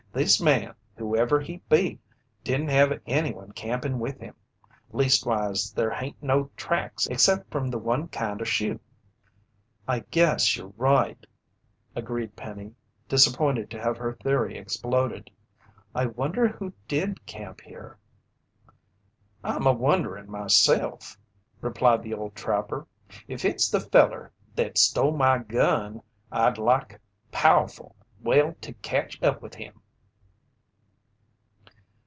"This man, whoever he be, didn't have anyone campin' with him. Leastwise, there hain't no tracks except from the one kind o' shoe." "I guess you're right," agreed Penny, disappointed to have her theory exploded. "I wonder who did camp here?" "I'm a wonderin' myself," replied the old trapper. "If it's the feller thet stole my gun, I'd like pow'ful well to catch up with him."